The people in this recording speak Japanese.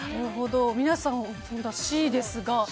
皆さん、Ｃですが。